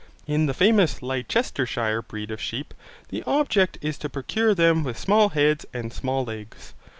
In the famous Leicestershire breed of sheep, the object is to procure them with small heads and small legs.